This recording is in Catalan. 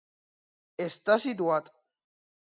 Està situat.